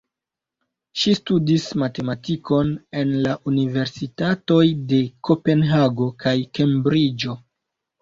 Ŝi studis matematikon en la universitatoj de Kopenhago kaj Kembriĝo.